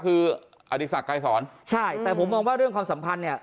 คืออดีศักดิ์ไกรสอนใช่แต่ผมมองว่าเรื่องความสัมพันธ์เนี่ย